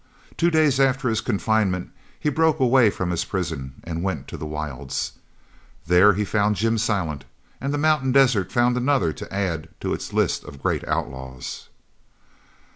Two days after his confinement, he broke away from his prison and went to the wilds. There he found Jim Silent, and the mountain desert found another to add to its list of great outlaws.